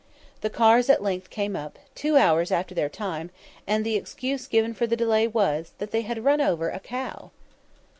The cars at length came up, two hours after their time, and the excuse given for the delay was, that they had run over a cow!